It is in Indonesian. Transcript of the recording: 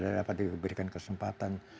saya dapat diberikan kesempatan